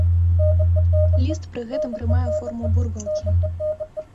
Ліст пры гэтым прымае форму бурбалкі.